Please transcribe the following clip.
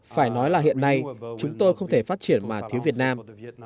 phải nói là hiện nay chúng tôi không thể phát triển mà thiếu việt nam